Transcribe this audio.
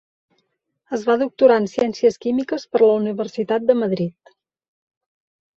Es va doctorar en Ciències Químiques per la Universitat de Madrid.